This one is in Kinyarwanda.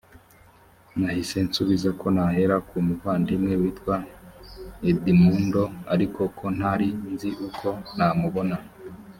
nahise nsubiza ko nahera ku muvandimwe witwa edmundo ariko ko ntari nzi uko namubona